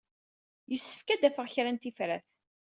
Yessefk ad d-afeɣ kra n tifrat.